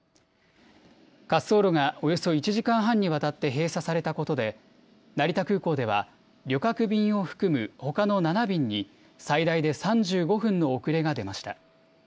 滑走路がおよそ１時間半にわたって閉鎖されたことで成田空港では旅客便を含むほかの７便に最大で３５分の遅れが出ました。